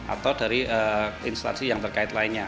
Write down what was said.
atau dari instansi yang terkait lainnya